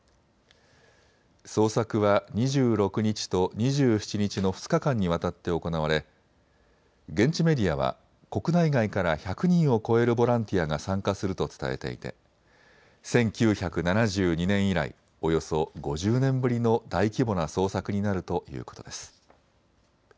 捜索は２６日と２７日の２日間にわたって行われ現地メディアは国内外から１００人を超えるボランティアが参加すると伝えていて１９７２年以来、およそ５０年ぶりの大規模な捜索になるということです。